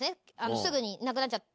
すぐにいなくなっちゃって。